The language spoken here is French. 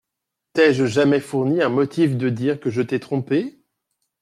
T’ai-je jamais fourni un motif de dire que je t’ai trompée ?